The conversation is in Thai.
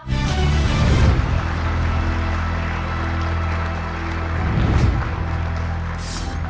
ขอเชิญแม่รังมาต่อชีวิตเป็นคนต่อไปครับ